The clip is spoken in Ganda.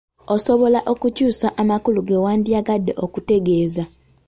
Esobola okukyusa amakulu ge wandiyagadde okutegeeza.